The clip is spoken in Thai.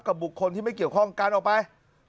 บุคคลที่ไม่เกี่ยวข้องกันออกไป